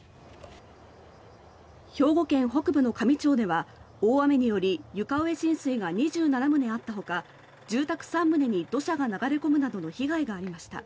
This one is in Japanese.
兵庫県北部の香美町では大雨により床上浸水が２７棟あったほか住宅３棟に土砂が流れ込むなどの被害がありました。